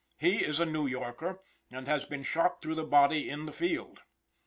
He is a New Yorker and has been shot through the body in the field.